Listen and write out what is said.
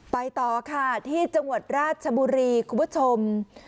ต่อค่ะที่จังหวัดราชบุรีคุณผู้ชม